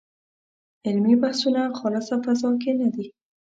علمي بحثونه خالصه فضا کې نه دي.